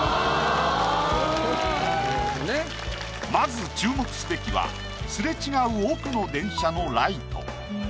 まず注目すべきは擦れ違う奥の電車のライト。